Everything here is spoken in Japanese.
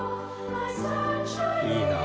いいなあ。